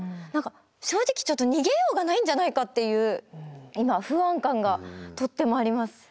何か正直ちょっと逃げようがないんじゃないかっていう今不安感がとってもあります。